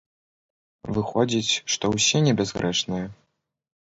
Выходзіць, што ўсе небязгрэшныя?